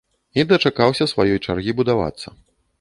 І дачакаўся сваёй чаргі будавацца.